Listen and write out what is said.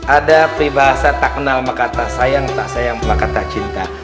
ada peribahasa tak kenal maka tak sayang tak sayang maka tak cinta